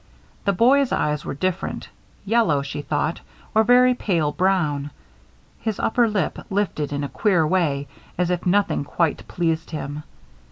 The boy's eyes were different; yellow, she thought, or very pale brown. His upper lip lifted in a queer way, as if nothing quite pleased him.